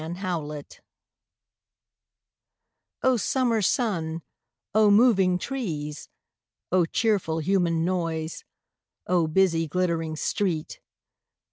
O Summer sun, O moving trees! O cheerful human noise, O busy glittering street!